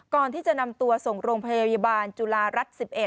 ก่อนที่จะนำตัวส่งโรงพยาบาลจุฬารัฐ๑๑